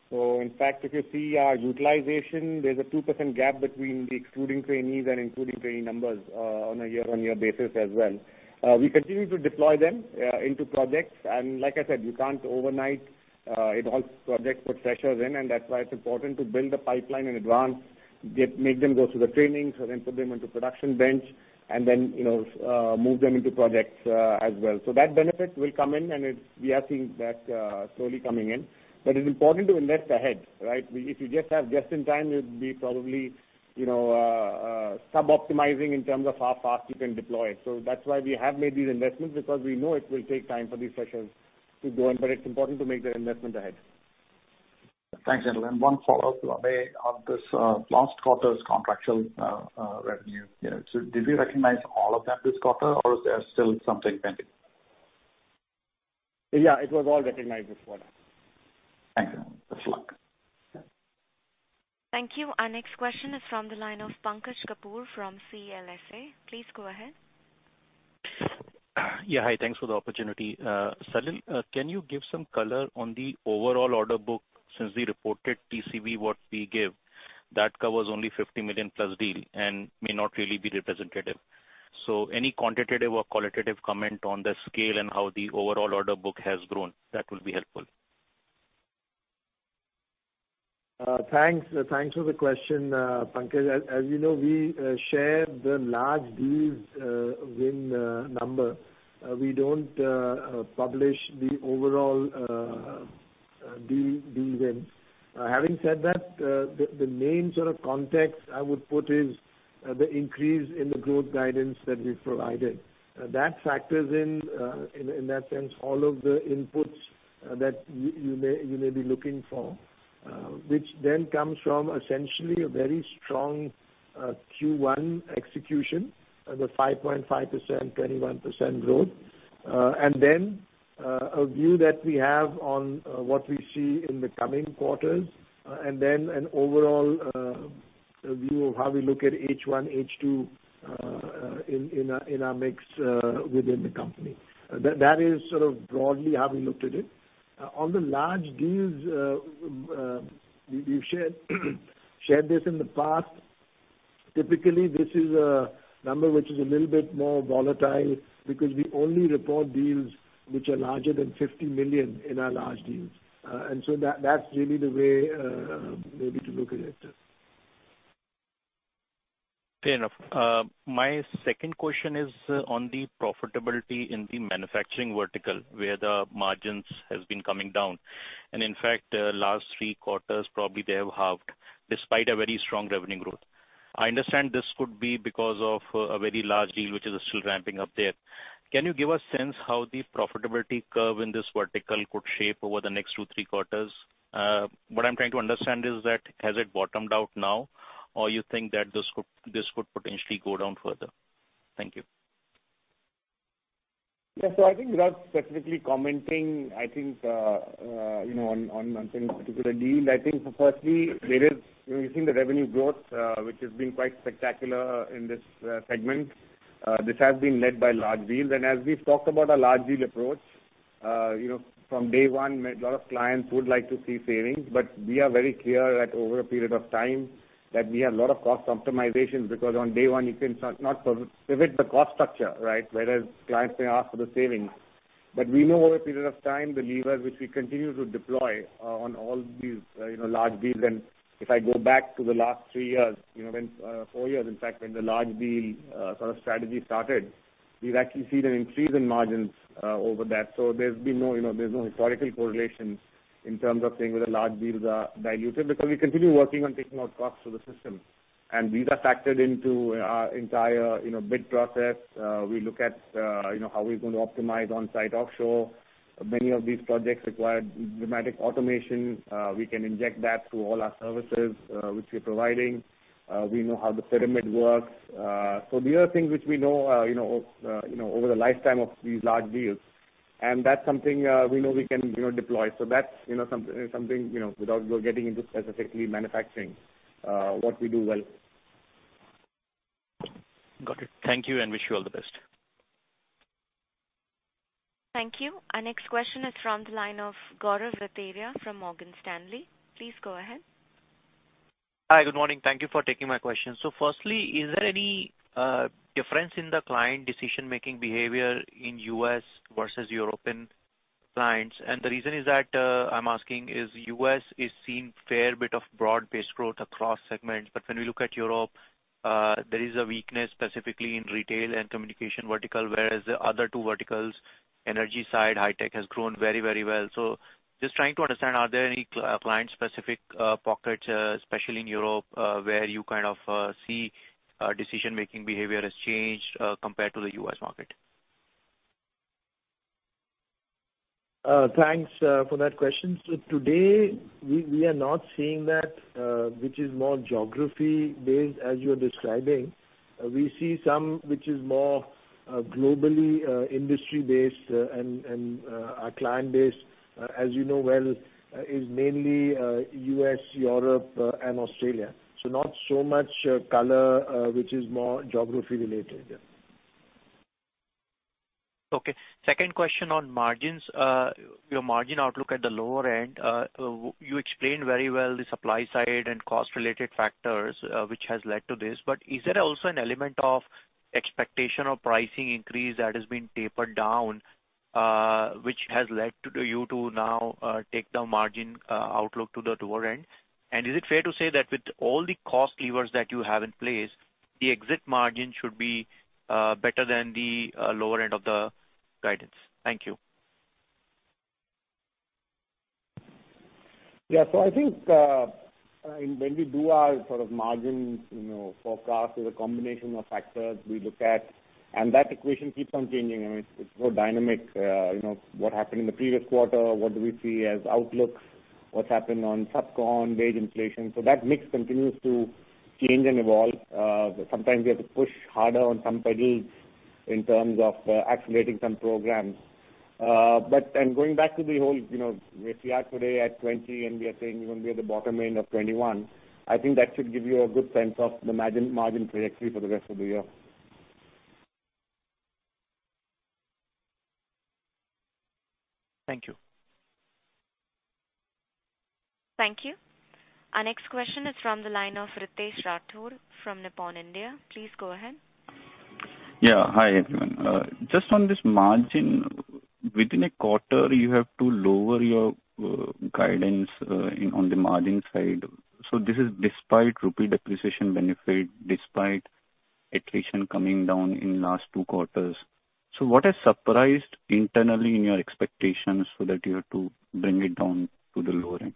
In fact, if you see our utilization, there's a 2% gap between the excluding trainees and including trainee numbers on a year-on-year basis as well. We continue to deploy them into projects and like I said, you can't overnight in all projects put freshers in and that's why it's important to build the pipeline in advance. Make them go through the training, so then put them into production bench and then, you know, move them into projects as well. That benefit will come in and it's. We are seeing that slowly coming in. It's important to invest ahead, right? If you just have in time, you'd be probably, you know, suboptimizing in terms of how fast you can deploy. That's why we have made these investments because we know it will take time for these freshers to go in, but it's important to make the investment ahead. Thanks, gentlemen. One follow-up to Nilanjan Roy on this, last quarter's contractual revenue. You know, did you recognize all of that this quarter or is there still something pending? Yeah. It was all recognized this quarter. Thanks. Best of luck. Thank you. Our next question is from the line of Pankaj Kapoor from CLSA. Please go ahead. Yeah. Hi, thanks for the opportunity. Salil, can you give some color on the overall order book since the reported TCV what we give that covers only $50 million+ deal and may not really be representative. Any quantitative or qualitative comment on the scale and how the overall order book has grown, that will be helpful? Thanks. Thanks for the question, Pankaj. As you know, we share the large deals win number. We don't publish the overall deal wins. Having said that, the main sort of context I would put is the increase in the growth guidance that we've provided. That factors in that sense all of the inputs that you may be looking for, which then comes from essentially a very strong Q1 execution, the 5.5%, 21% growth. Then a view that we have on what we see in the coming quarters and then an overall view of how we look at H1, H2 in our mix within the company. That is sort of broadly how we looked at it. On the large deals, we've shared this in the past. Typically this is a number which is a little bit more volatile because we only report deals which are larger than $50 million in our large deals. That's really the way maybe to look at it. Fair enough. My second question is on the profitability in the manufacturing vertical where the margins has been coming down and in fact, last three quarters probably they have halved despite a very strong revenue growth. I understand this could be because of a very large deal which is still ramping up there. Can you give a sense how the profitability curve in this vertical could shape over the next two, three quarters? What I'm trying to understand is that has it bottomed out now or you think that this could potentially go down further? Thank you. Yeah. I think without specifically commenting, I think, you know, on anything particular deal, I think firstly there is, you know, you've seen the revenue growth, which has been quite spectacular in this segment. This has been led by large deals. As we've talked about our large deal approach, you know, from day one, a lot of clients would like to see savings, but we are very clear that over a period of time that we have a lot of cost optimizations because on day one you can not pivot the cost structure, right? Whereas clients may ask for the savings. We know over a period of time the levers which we continue to deploy on all these, you know, large deals and if I go back to the last three years, you know, four years in fact when the large deal sort of strategy started, we've actually seen an increase in margins over that. There's been no, you know, there's no historical correlation in terms of saying whether large deals are diluted because we continue working on taking out costs through the system and these are factored into our entire, you know, bid process. We look at, you know, how we're going to optimize on-site offshore. Many of these projects require dramatic automation. We can inject that through all our services, which we're providing. We know how the pyramid works. These are things which we know, you know, over the lifetime of these large deals. That's something we know we can, you know, deploy. That's, you know, something you know, without getting into specifically manufacturing, what we do well. Got it. Thank you, and wish you all the best. Thank you. Our next question is from the line of Gaurav Rateria from Morgan Stanley. Please go ahead. Hi. Good morning. Thank you for taking my question. Firstly, is there any difference in the client decision-making behavior in U.S. versus European clients? The reason is that I'm asking is U.S. is seeing fair bit of broad-based growth across segments, but when we look at Europe, there is a weakness specifically in retail and communication vertical, whereas the other two verticals, energy side, high tech has grown very, very well. Just trying to understand, are there any client specific pockets, especially in Europe, where you kind of see decision-making behavior has changed compared to the U.S. market? Thanks for that question. Today, we are not seeing that, which is more geography based as you're describing. We see some which is more globally industry-based and our client base, as you know well, is mainly U.S., Europe, and Australia. Not so much color, which is more geography related. Yeah. Okay. Second question on margins. Your margin outlook at the lower end, you explained very well the supply side and cost related factors, which has led to this. Is there also an element of expectation of pricing increase that has been tapered down, which has led you to now take the margin outlook to the lower end? And is it fair to say that with all the cost levers that you have in place, the exit margin should be better than the lower end of the guidance? Thank you. Yeah. I think when we do our sort of margins, you know, forecast with a combination of factors we look at, and that equation keeps on changing. I mean, it's more dynamic, you know, what happened in the previous quarter? What do we see as outlooks? What's happened on subcon wage inflation? That mix continues to change and evolve. Sometimes we have to push harder on some pedals in terms of accelerating some programs. Going back to the whole, you know, if we are today at 20% and we are saying we're gonna be at the bottom end of 21%, I think that should give you a good sense of the margin trajectory for the rest of the year. Thank you. Thank you. Our next question is from the line of Ritesh Rathod from Nippon India Mutual Fund. Please go ahead. Yeah. Hi, everyone. Just on this margin, within a quarter you have to lower your guidance on the margin side. This is despite rupee depreciation benefit, despite attrition coming down in last two quarters. What has surprised internally in your expectations so that you have to bring it down to the lower end?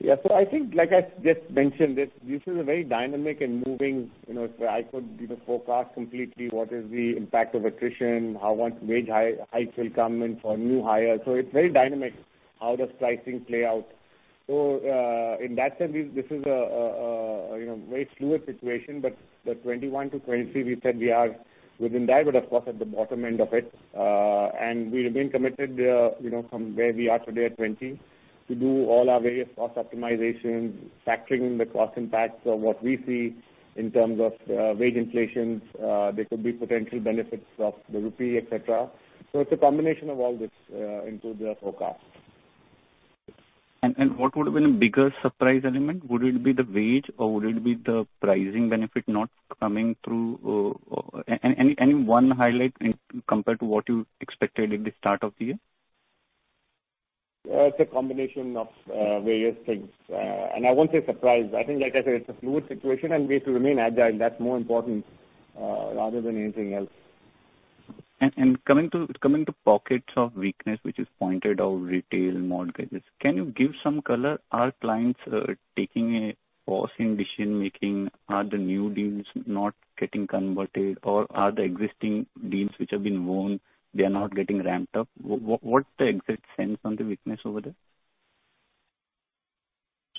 Yeah. I think, like I just mentioned this is a very dynamic and moving, you know, if I could, you know, forecast completely what is the impact of attrition, how much wage hike will come in for new hires. It's very dynamic, how the pricing play out. In that sense, this is a very fluid situation. The 21%-23% we said we are within that, but of course at the bottom end of it. We remain committed, you know, from where we are today at 20% to do all our various cost optimizations, factoring the cost impacts of what we see in terms of wage inflation. There could be potential benefits of the rupee, et cetera. It's a combination of all this into the forecast. What would have been a bigger surprise element? Would it be the wage or would it be the pricing benefit not coming through? Any one highlight in comparison to what you expected at the start of the year? It's a combination of various things. I won't say surprise. I think, like I said, it's a fluid situation and we have to remain agile. That's more important, rather than anything else. Coming to pockets of weakness which is pointed out, retail and mortgages, can you give some color? Are clients taking a pause in decision-making? Are the new deals not getting converted or are the existing deals which have been won, they are not getting ramped up? What's the exact sense on the weakness over there?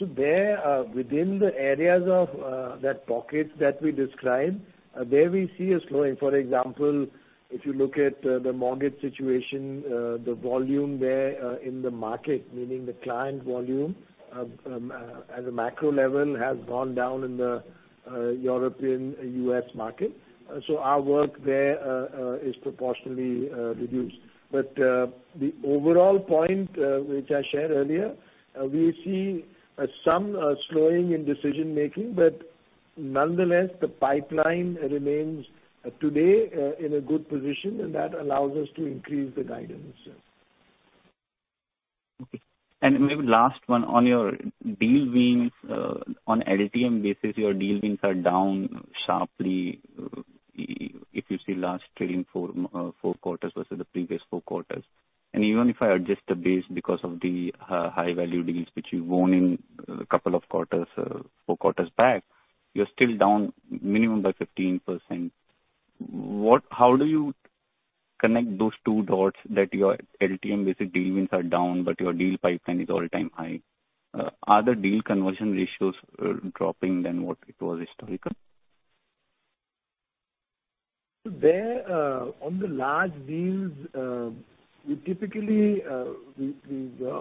There, within the areas of that pockets that we described, there we see a slowing. For example, if you look at the mortgage situation, the volume there in the market, meaning the client volume, at the macro level has gone down in the European, U.S. market. Our work there is proportionally reduced. The overall point, which I shared earlier, we see some slowing in decision making, but nonetheless the pipeline remains today in a good position and that allows us to increase the guidance. Okay. Maybe last one on your deal wins. On LTM basis, your deal wins are down sharply, if you see last trailing four quarters versus the previous four quarters. Even if I adjust the base because of the high value deals which you've won in a couple of quarters, four quarters back, you're still down minimum by 15%. What? How do you connect those two dots that your LTM basic deal wins are down, but your deal pipeline is all-time high. Are the deal conversion ratios dropping from what they were historically? On the large deals, we typically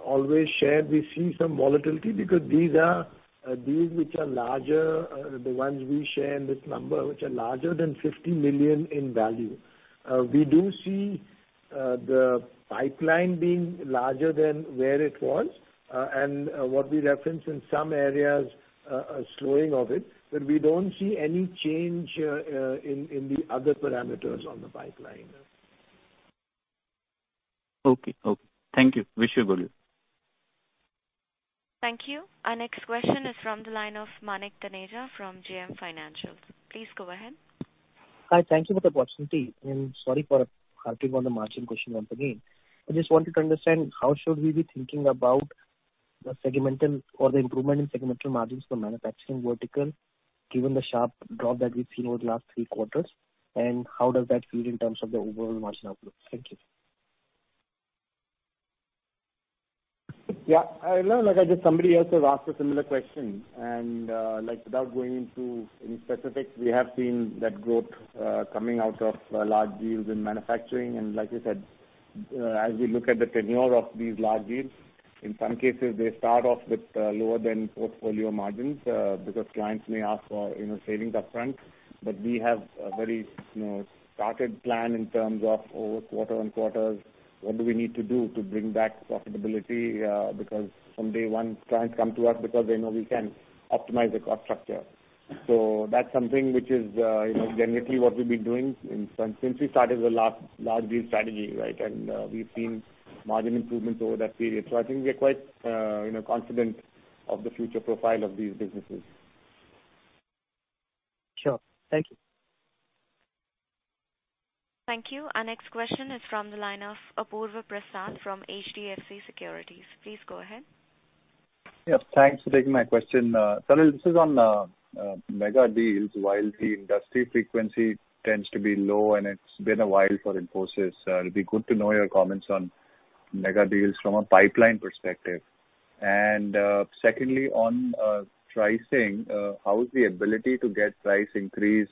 always share we see some volatility because these are deals which are larger, the ones we share in this number which are larger than $50 million in value. We do see the pipeline being larger than where it was and what we referenced in some areas, a slowing of it, but we don't see any change in the other parameters on the pipeline. Okay. Thank you. Wish you good luck. Thank you. Our next question is from the line of Manik Taneja from JM Financial. Please go ahead. Hi. Thank you for the opportunity, and sorry for harping on the margin question once again. I just wanted to understand how should we be thinking about the segmental or the improvement in segmental margins for manufacturing vertical, given the sharp drop that we've seen over the last three quarters, and how does that feed in terms of the overall margin outlook? Thank you. Yeah. I know, like I just somebody else has asked a similar question and, like without going into any specifics, we have seen that growth, coming out of large deals in manufacturing. Like you said, as we look at the tenure of these large deals, in some cases they start off with, lower than portfolio margins, because clients may ask for, you know, savings up front. We have a very, you know, structured plan in terms of over quarter-on-quarter what do we need to do to bring back profitability, because from day one clients come to us because they know we can optimize the cost structure. That's something which is, you know, generally what we've been doing since we started the large deal strategy, right? We've seen margin improvements over that period. I think we are quite, you know, confident of the future profile of these businesses. Sure. Thank you. Thank you. Our next question is from the line of Apurva Prasad from HDFC Securities. Please go ahead. Yes, thanks for taking my question. Salil, this is on mega deals. While the industry frequency tends to be low and it's been a while for Infosys, it'll be good to know your comments on mega deals from a pipeline perspective. Secondly, on pricing, how is the ability to get price increase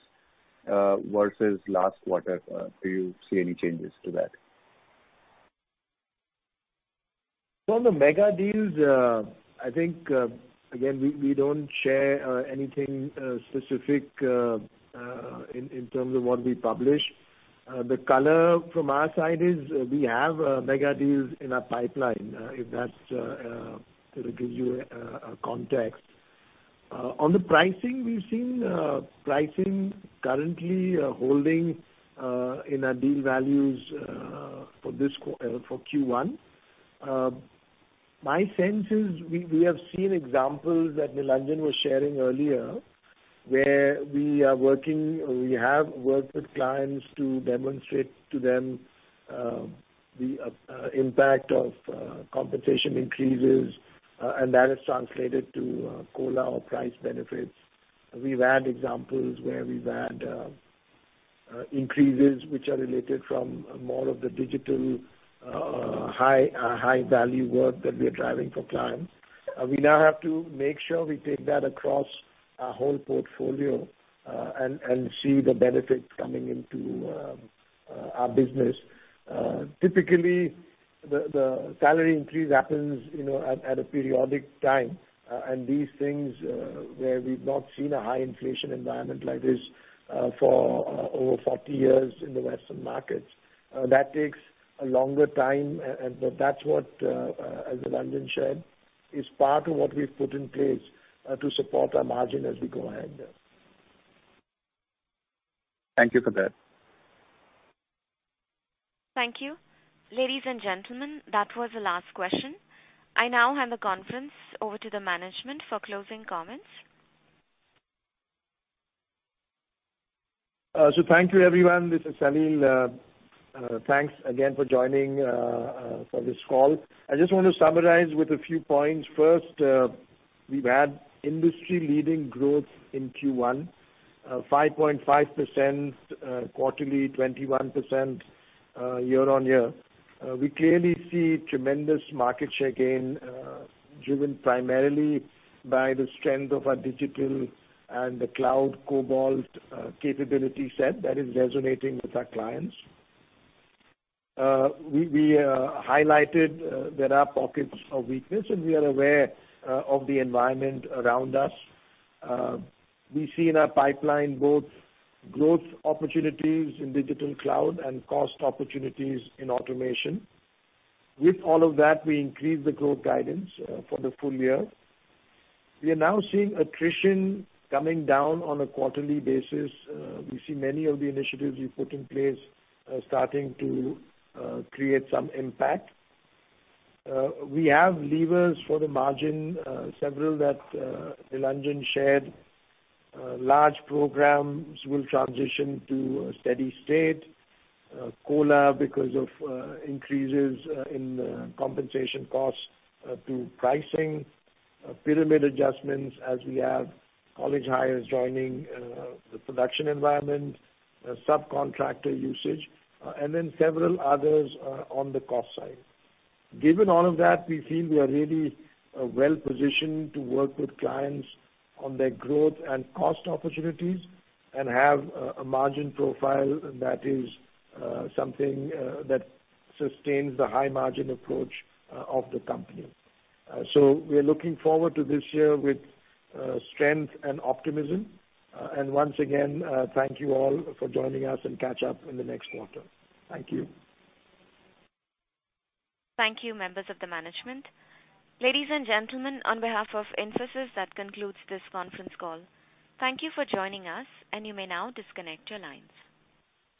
versus last quarter? Do you see any changes to that? From the mega deals, I think, again, we don't share anything specific in terms of what we publish. The color from our side is we have mega deals in our pipeline, if that sort of gives you a context. On the pricing, we've seen pricing currently holding in our deal values for Q1. My sense is we have seen examples that Nilanjan was sharing earlier, where we have worked with clients to demonstrate to them the impact of compensation increases, and that has translated to COLA or price benefits. We've had examples where we've had increases which are related from more of the digital high value work that we are driving for clients. We now have to make sure we take that across our whole portfolio and see the benefits coming into our business. Typically the salary increase happens, you know, at a periodic time. These things where we've not seen a high inflation environment like this for over 40 years in the Western markets that takes a longer time. That's what, as Nilanjan shared, is part of what we've put in place to support our margin as we go ahead. Thank you for that. Thank you. Ladies, and gentlemen, that was the last question. I now hand the conference over to the management for closing comments. Thank you everyone. This is Salil. Thanks again for joining for this call. I just want to summarize with a few points. First, we've had industry-leading growth in Q1, 5.5% quarterly, 21% year-on-year. We clearly see tremendous market share gain driven primarily by the strength of our digital and the cloud Cobalt capability set that is resonating with our clients. We highlighted there are pockets of weakness and we are aware of the environment around us. We see in our pipeline both growth opportunities in digital cloud and cost opportunities in automation. With all of that, we increased the growth guidance for the full year. We are now seeing attrition coming down on a quarterly basis. We see many of the initiatives we put in place starting to create some impact. We have levers for the margin, several that Nilanjan shared. Large programs will transition to a steady state. COLA because of increases in compensation costs through pricing. Pyramid adjustments as we have college hires joining the productive environment. Subcontractor usage, and then several others on the cost side. Given all of that, we feel we are really well positioned to work with clients on their growth and cost opportunities and have a margin profile that is something that sustains the high margin approach of the company. We are looking forward to this year with strength and optimism. Once again, thank you all for joining us, and catch up in the next quarter. Thank you. Thank you, members of the management. Ladies, and gentlemen, on behalf of Infosys, that concludes this conference call. Thank you for joining us, and you may now disconnect your lines.